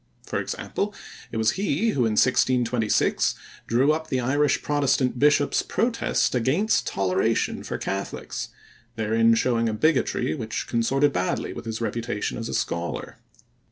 For example, it was he who in 1626 drew up the Irish Protestant bishops' protest against toleration for Catholics, therein showing a bigotry which consorted badly with his reputation as a scholar.